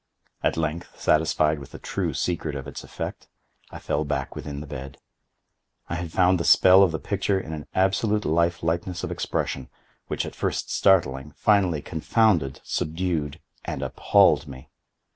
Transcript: At length, satisfied with the true secret of its effect, I fell back within the bed. I had found the spell of the picture in an absolute life likeliness of expression, which, at first startling, finally confounded, subdued, and appalled me.